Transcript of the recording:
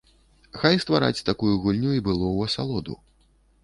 Хай ствараць такую гульню і было ў асалоду.